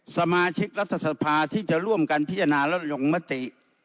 สมาชิกรัฐสภาที่จะร่วมกันพิจารณาและลงมติ